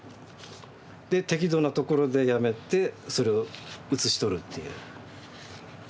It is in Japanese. で適度なところでやめてそれを写し取るっていう。